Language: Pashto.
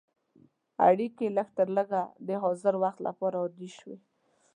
اړیکې لږترلږه د حاضر وخت لپاره عادي شوې.